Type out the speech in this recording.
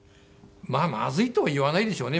まあ「まずい」とは言わないでしょうね。